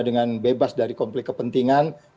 dengan bebas dari konflik kepentingan